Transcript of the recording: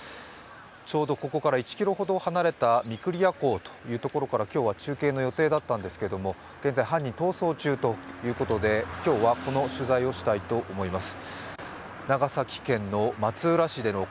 ちょうどここから１ｋｍほど離れた御厨港というところから今日は中継の予定だったんですけれども現在、犯人、逃走中ということで今日はこの取材をしたいと思います。